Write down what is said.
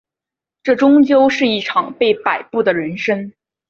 这终究是一场被摆布的人生